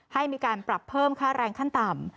ให้มีการปรับเพิ่มค่าแรงขั้นต่ำ